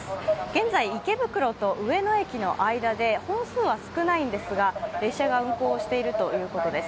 現在、池袋と上野駅の間で本数は少ないんですが列車が運行しているということです。